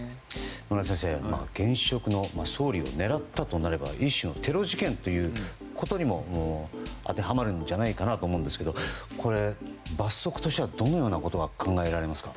野村先生現職の総理を狙ったとなれば一種のテロ事件ということにも当てはまるんじゃないかなと思うんですけど、罰則としてはどのようなことが考えられますか。